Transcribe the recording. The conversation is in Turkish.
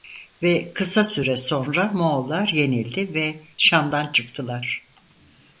Ve kısa süre sonra Moğollar yenildi ve Şam'dan çıktılar.